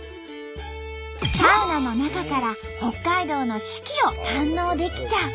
サウナの中から北海道の四季を堪能できちゃう。